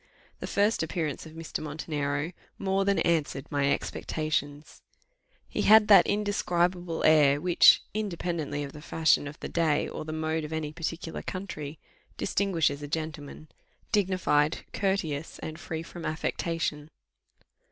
The first appearance of Mr. Montenero more than answered my expectations. He had that indescribable air, which, independently of the fashion of the day, or the mode of any particular country, distinguishes a gentleman dignified, courteous, and free from affectation.